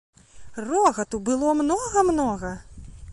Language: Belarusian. Рогату было многа, многа!